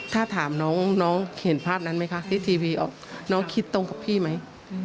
ถ้าถามน้องเห็นภาพนั้นไหมคะที่ทีวีออกน้องคิดตรงกับพี่ไหม